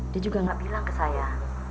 dia juga gak bilang ke saya